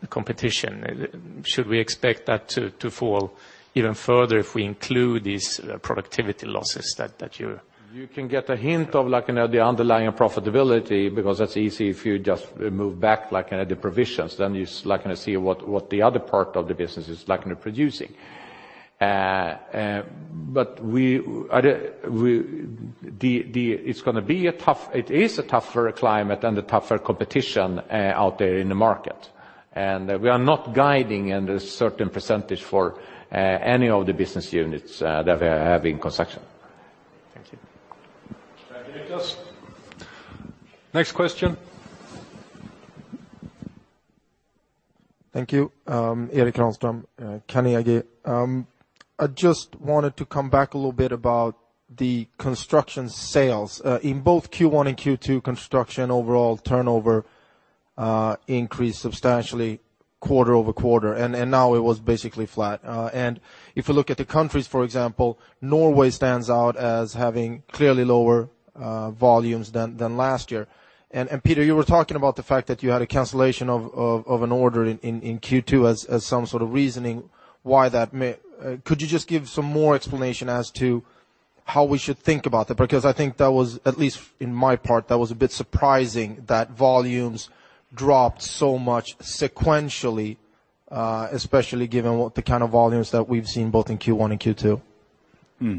competition, should we expect that to fall even further if we include these productivity losses that you- You can get a hint of, like, you know, the underlying profitability, because that's easy if you just move back, like, the provisions, then you'd, like, see what the other part of the business is like in producing. But we... It's gonna be a tough—it is a tougher climate and a tougher competition out there in the market. And we are not guiding in a certain percentage for any of the business units that we have in construction. Thank you. Thank you, Niclas. Next question? Thank you. Erik Granström, Carnegie. I just wanted to come back a little bit about the construction sales. In both Q1 and Q2, construction overall turnover increased substantially quarter-over-quarter, and now it was basically flat. And if you look at the countries, for example, Norway stands out as having clearly lower volumes than last year. And Peter, you were talking about the fact that you had a cancellation of an order in Q2 as some sort of reasoning why that may. Could you just give some more explanation as to how we should think about that? Because I think that was, at least in my part, that was a bit surprising that volumes dropped so much sequentially, especially given what the kind of volumes that we've seen both in Q1 and Q2. Hmm.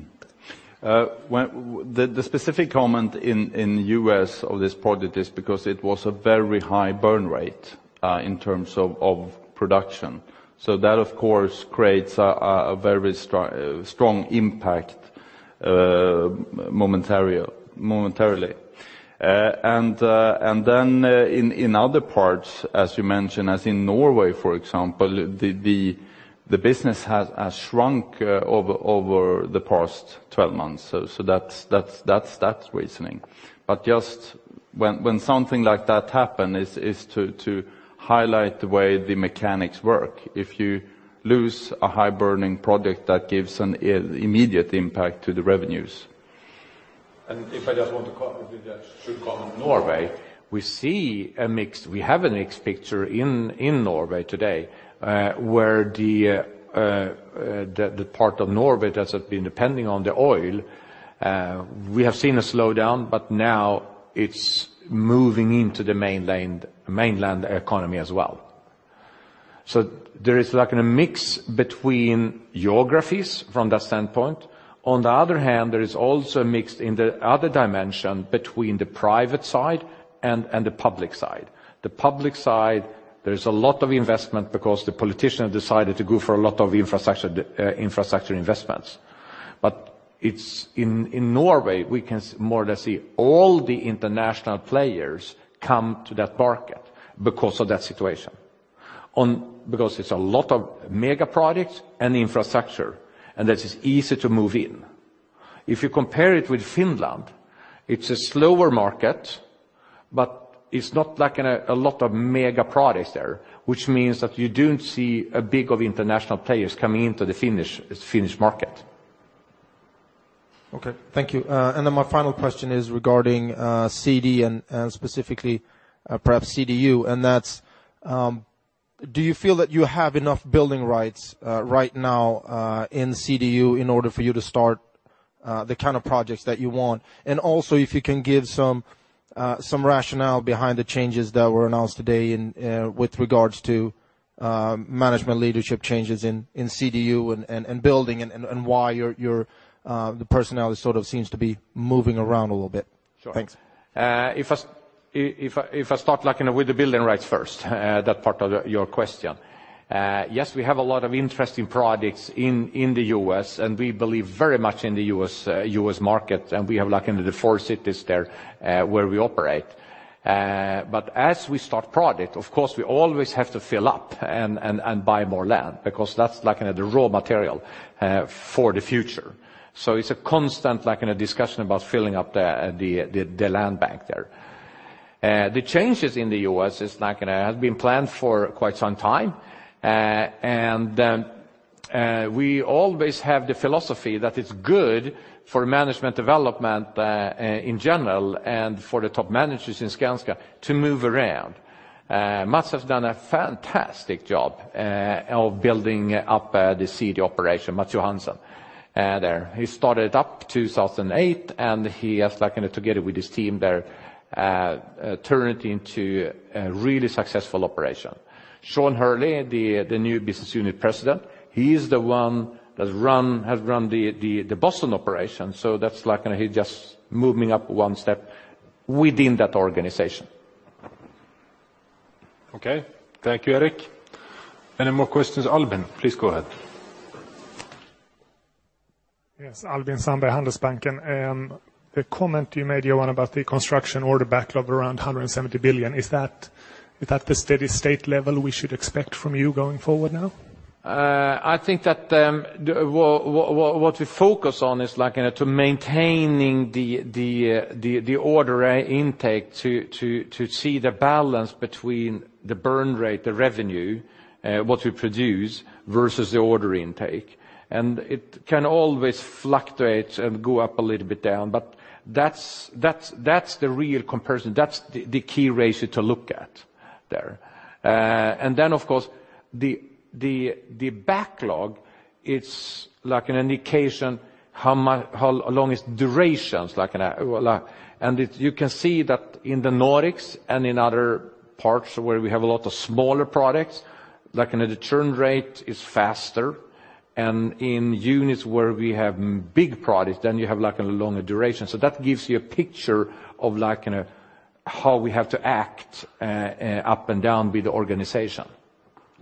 When the specific comment in the U.S. of this project is because it was a very high burn rate in terms of production. So that, of course, creates a very strong impact momentarily. And then in other parts, as you mentioned, as in Norway, for example, the business has shrunk over the past 12 months. So that's reasoning. But just when something like that happen is to highlight the way the mechanics work. If you lose a high burning project, that gives an immediate impact to the revenues. If I just want to comment, just to comment Norway, we see a mixed—we have a mixed picture in Norway today, where the part of Norway that has been depending on the oil, we have seen a slowdown, but now it's moving into the mainland, mainland economy as well. So there is like in a mix between geographies from that standpoint. On the other hand, there is also a mix in the other dimension between the private side and the public side. The public side, there is a lot of investment because the politician decided to go for a lot of infrastructure, infrastructure investments. But in Norway, we can more or less see all the international players come to that market because of that situation. Because it's a lot of mega products and infrastructure, and that is easy to move in. If you compare it with Finland, it's a slower market, but it's not like in a lot of mega products there, which means that you don't see a big of international players coming into the Finnish, Finnish market. Okay, thank you. And then my final question is regarding CD and specifically perhaps CDU, and that's: do you feel that you have enough building rights right now in CDU in order for you to start the kind of projects that you want? And also, if you can give some rationale behind the changes that were announced today with regards to management leadership changes in CDU and building and why your personnel sort of seems to be moving around a little bit. Sure. Thanks. If I start, like, in with the building rights first, that part of your question. Yes, we have a lot of interesting projects in the U.S., and we believe very much in the U.S. market, and we have, like, in the four cities there where we operate. But as we start project, of course, we always have to fill up and buy more land, because that's like in the raw material for the future. So it's a constant, like, in a discussion about filling up the land bank there. The changes in the U.S. is like, gonna have been planned for quite some time. And, we always have the philosophy that it's good for management development, in general, and for the top managers in Skanska to move around. Mats has done a fantastic job of building up the CD operation, Mats Johansson, there. He started up 2008, and he has, like, in together with his team there, turned it into a really successful operation. Shawn Hurley, the new business unit president, he is the one that's run—has run the Boston operation, so that's like, and he just moving up one step within that organization. Okay. Thank you, Eric. Any more questions? Albin, please go ahead. Yes, Albin Sandberg, Handelsbanken. The comment you made, Johan, about the construction order backlog around 170 billion, is that, is that the steady state level we should expect from you going forward now? I think that what we focus on is like into maintaining the order intake to see the balance between the burn rate, the revenue, what we produce, versus the order intake. And it can always fluctuate and go up a little bit down, but that's the real comparison. That's the key ratio to look at there. And then, of course, the backlog, it's like an indication how much, how long is durations, like in. You can see that in the Nordics and in other parts where we have a lot of smaller products, like in the churn rate is faster. And in units where we have big products, then you have like a longer duration. So that gives you a picture of like how we have to act up and down with the organization,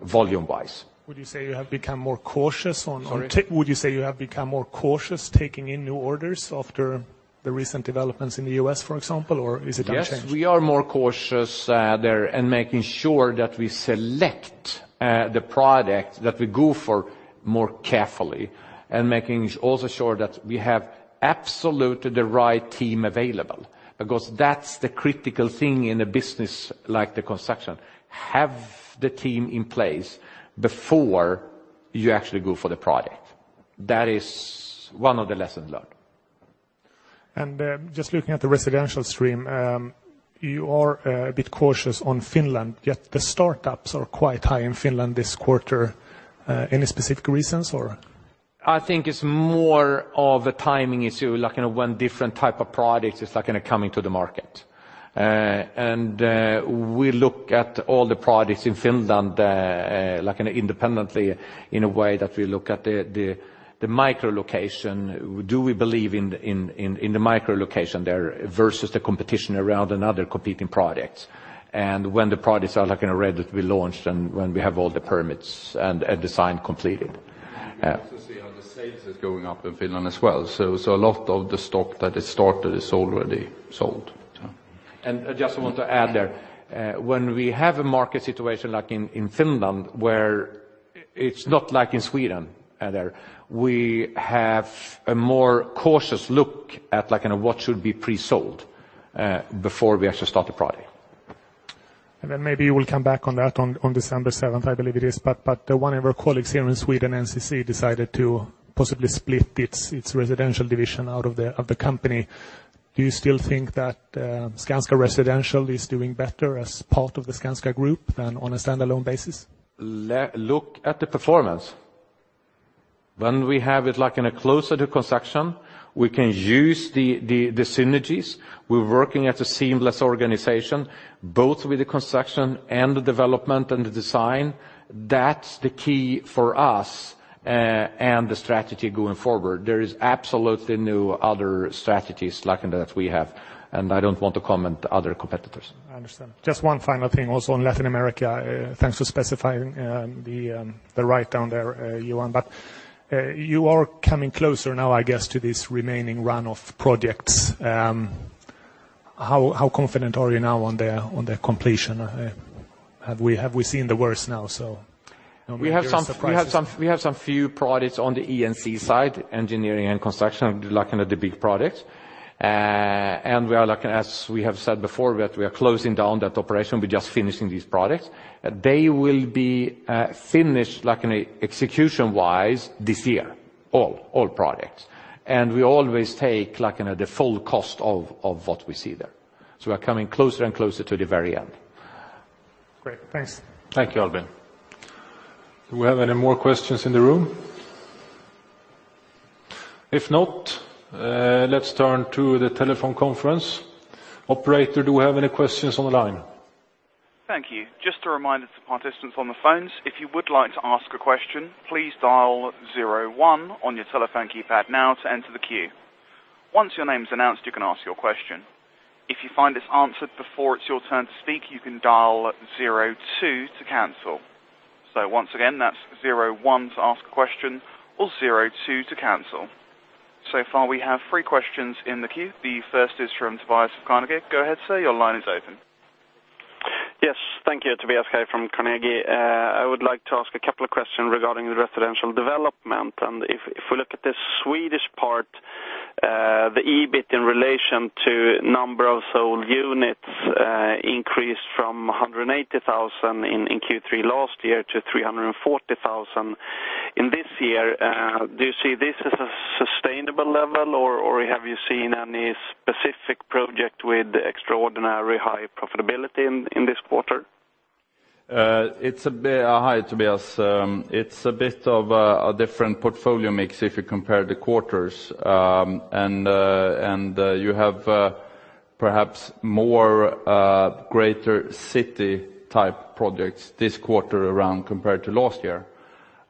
volume-wise. Would you say you have become more cautious on take- Sorry? Would you say you have become more cautious taking in new orders after the recent developments in the U.S., for example, or is it unchanged? Yes, we are more cautious, there, and making sure that we select, the product that we go for more carefully, and making also sure that we have absolutely the right team available, because that's the critical thing in a business like the construction: Have the team in place before you actually go for the project. That is one of the lessons learned. Just looking at the residential stream, you are a bit cautious on Finland, yet the startups are quite high in Finland this quarter. Any specific reasons or? I think it's more of a timing issue, like in a when different type of products is, like, gonna coming to the market. And we look at all the products in Finland, like independently, in a way that we look at the micro location. Do we believe in the micro location there versus the competition around another competing products? And when the products are, like, in ready to be launched, and when we have all the permits and design completed. We also see how the sales is going up in Finland as well, so a lot of the stock that is started is already sold. I just want to add there, when we have a market situation like in Finland, where it's not like in Sweden, either, we have a more cautious look at, like, you know, what should be pre-sold before we actually start the project. Then maybe you will come back on that on December seventh, I believe it is. But one of our colleagues here in Sweden, NCC, decided to possibly split its residential division out of the company. Do you still think that Skanska Residential is doing better as part of the Skanska Group than on a standalone basis? Look at the performance. When we have it, like, in a closer to construction, we can use the synergies. We're working as a seamless organization, both with the construction and the development and the design. That's the key for us, and the strategy going forward. There is absolutely no other strategies like in that we have, and I don't want to comment other competitors. I understand. Just one final thing, also on Latin America, thanks for specifying, the write-down there, Johan. But, you are coming closer now, I guess, to this remaining run of projects. How confident are you now on the completion? Have we seen the worst now, so- We have some- No surprises? We have some few products on the E&C side, engineering and construction, like in the big products. And we are, like, as we have said before, that we are closing down that operation. We're just finishing these products. They will be finished, like in a execution-wise, this year, all products. And we always take, like, you know, the full cost of what we see there. So we are coming closer and closer to the very end. Great. Thanks. Thank you, Albin. Do we have any more questions in the room? If not, let's turn to the telephone conference. Operator, do we have any questions on the line? Thank you. Just a reminder to participants on the phones, if you would like to ask a question, please dial zero one on your telephone keypad now to enter the queue. Once your name is announced, you can ask your question. If you find it's answered before it's your turn to speak, you can dial zero two to cancel. So once again, that's zero one to ask a question or zero two to cancel. So far, we have three questions in the queue. The first is from Tobias of Carnegie. Go ahead, sir. Your line is open. Yes, thank you. Tobias Kaj from Carnegie. I would like to ask a couple of questions regarding the residential development. If we look at the Swedish part, the EBIT in relation to number of sold units increased from 180,000 in Q3 last year to 340,000 in this year. Do you see this as a sustainable level, or have you seen any specific project with extraordinary high profitability in this quarter? Hi, Tobias. It's a bit of a different portfolio mix if you compare the quarters. And you have perhaps more greater city-type projects this quarter around compared to last year.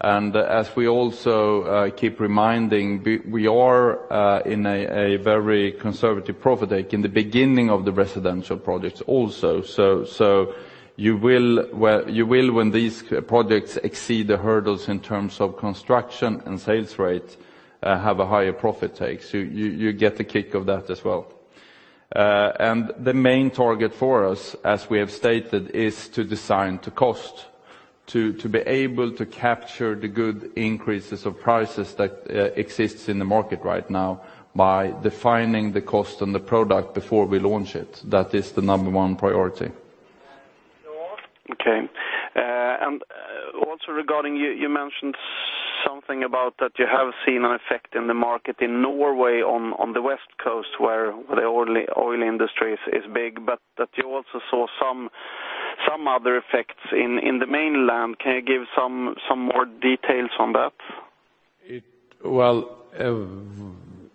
And as we also keep reminding, we are in a very conservative profit take in the beginning of the residential projects also. So you will, well, you will, when these projects exceed the hurdles in terms of construction and sales rate, have a higher profit take. So you get the kick of that as well. The main target for us, as we have stated, is to design to cost, to be able to capture the good increases of prices that exists in the market right now by defining the cost and the product before we launch it. That is the number one priority. Okay. And also, regarding you, you mentioned something about that you have seen an effect in the market in Norway on the West Coast, where the oil industry is big, but that you also saw some other effects in the mainland. Can you give some more details on that? Well,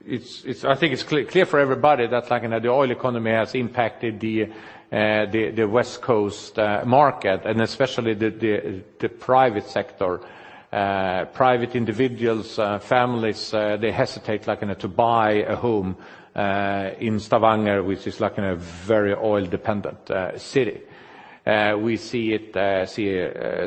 it's clear for everybody that, like, you know, the oil economy has impacted the West Coast market, and especially the private sector. Private individuals, families, they hesitate, like, you know, to buy a home in Stavanger, which is like in a very oil-dependent city. We see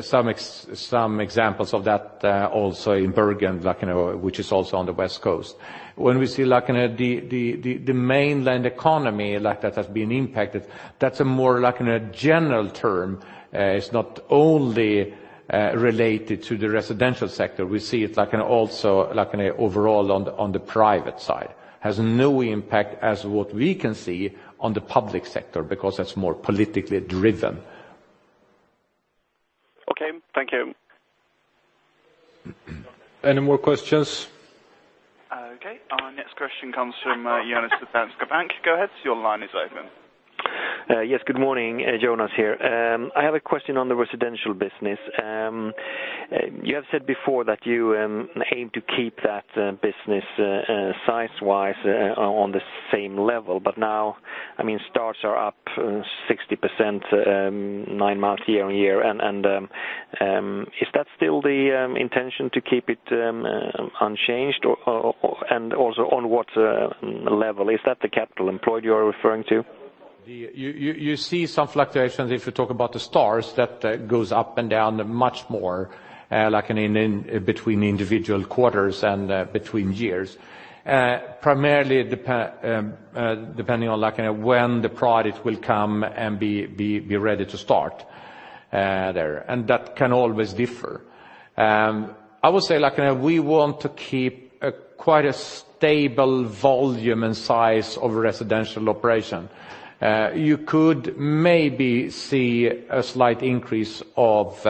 some examples of that also in Bergen, like, you know, which is also on the West Coast. When we see the mainland economy like that has been impacted, that's a more like in a general term. It's not only related to the residential sector. We see it like in also like in overall on the private side. Has no impact as what we can see on the public sector, because that's more politically driven. Okay. Thank you. Any more questions? Okay, our next question comes from Jonas of SEB Bank. Go ahead, your line is open. Yes. Good morning. Jonas here. I have a question on the residential business. You have said before that you aim to keep that business size-wise on the same level. But now, I mean, starts are up 60% nine months year-over-year. And is that still the intention to keep it unchanged? Or and also, on what level? Is that the capital employed you are referring to? You see some fluctuations if you talk about the starts, that goes up and down much more, like in between individual quarters and between years. Primarily depending on, like, you know, when the product will come and be ready to start there, and that can always differ. I would say, like, you know, we want to keep quite a stable volume and size of residential operation. You could maybe see a slight increase of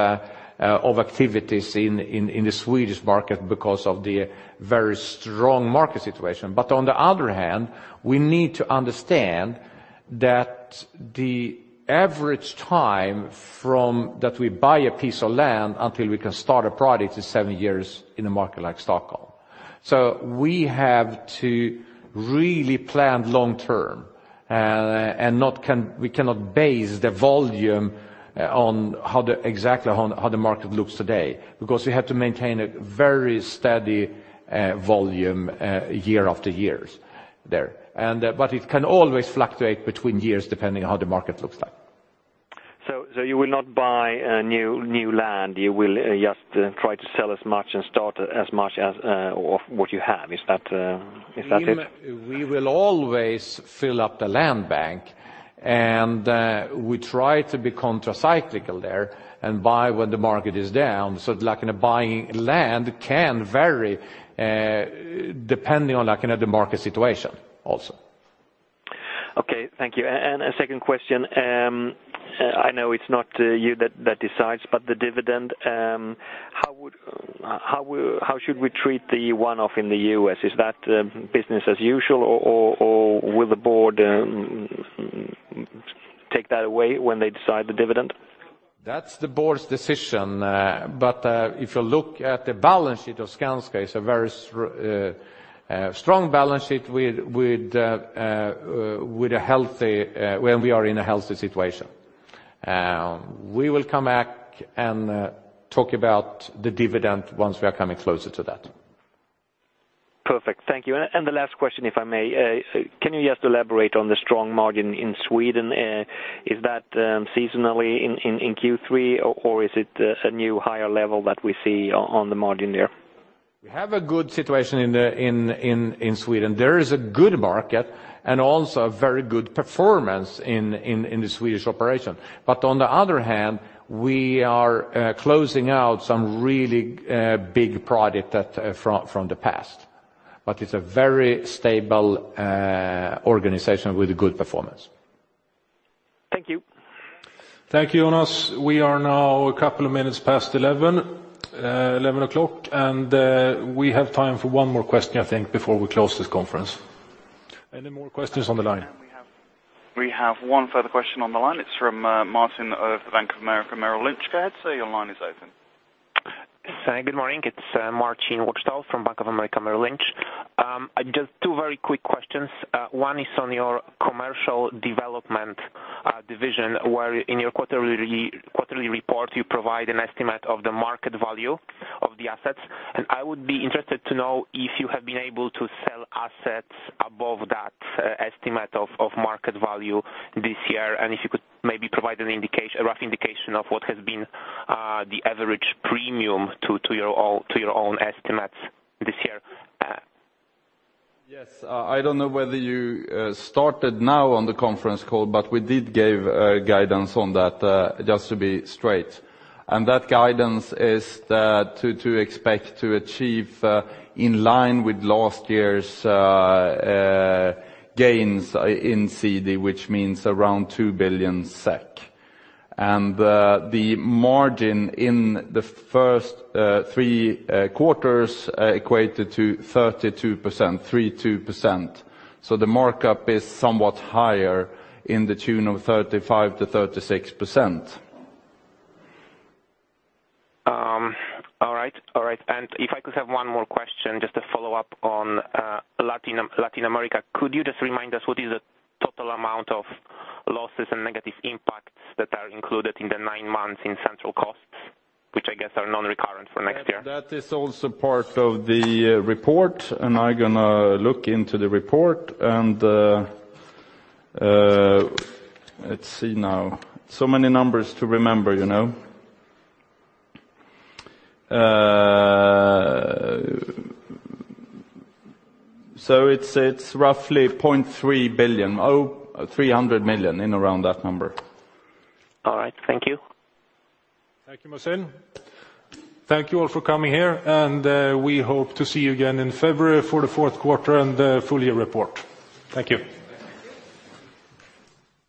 activities in the Swedish market because of the very strong market situation. But on the other hand, we need to understand that the average time from that we buy a piece of land until we can start a project is seven years in a market like Stockholm. So we have to really plan long term, and we cannot base the volume on exactly how the market looks today, because we have to maintain a very steady volume year after years there. But it can always fluctuate between years, depending on how the market looks like. So you will not buy new land, you will just try to sell as much and start as much as of what you have? Is that it? We will always fill up the land bank, and we try to be contracyclical there and buy when the market is down. So, like, in a buying land can vary, depending on, like, you know, the market situation also. Okay, thank you. And a second question. I know it's not you that decides, but the dividend, how should we treat the one-off in the U.S.? Is that business as usual, or will the board take that away when they decide the dividend? That's the board's decision. But if you look at the balance sheet of Skanska, it's a very strong balance sheet with a healthy when we are in a healthy situation. We will come back and talk about the dividend once we are coming closer to that. Perfect. Thank you. And the last question, if I may: Can you just elaborate on the strong margin in Sweden? Is that seasonally in Q3, or is it a new higher level that we see on the margin there? We have a good situation in Sweden. There is a good market and also a very good performance in the Swedish operation. But on the other hand, we are closing out some really big projects from the past. But it's a very stable organization with a good performance. Thank you. Thank you, Jonas. We are now a couple of minutes past 11 o'clock, and we have time for one more question, I think, before we close this conference. Any more questions on the line? We have one further question on the line. It's from Martin of Bank of America Merrill Lynch. Go ahead, sir, your line is open. Good morning, it's Martin Wästall from Bank of America Merrill Lynch. Just two very quick questions. One is on your Commercial Development division, where in your quarterly report, you provide an estimate of the market value of the assets. I would be interested to know if you have been able to sell assets above that estimate of market value this year, and if you could maybe provide an indication, a rough indication of what has been the average premium to your own estimates this year? Yes, I don't know whether you started now on the conference call, but we did give guidance on that just to be straight. And that guidance is that to expect to achieve in line with last year's gains in CD, which means around 2 billion SEK. And the margin in the first three quarters equated to 32%, 32%. So the markup is somewhat higher in the tune of 35%-36%. All right. All right, and if I could have one more question, just to follow up on Latin America. Could you just remind us what is the total amount of losses and negative impacts that are included in the nine months in central costs, which I guess are non-recurrent for next year? That is also part of the report, and I'm gonna look into the report, and... Let's see now. So many numbers to remember, you know? So it's roughly 0.3 billion, oh, 300 million, in around that number. All right. Thank you. Thank you, Martin. Thank you all for coming here, and we hope to see you again in February for the fourth quarter and the full year report. Thank you. Thank you!